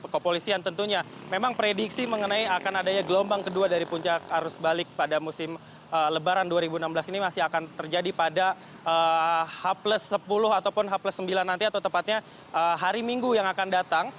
kepolisian tentunya memang prediksi mengenai akan adanya gelombang kedua dari puncak arus balik pada musim lebaran dua ribu enam belas ini masih akan terjadi pada h sepuluh ataupun h sembilan nanti atau tepatnya hari minggu yang akan datang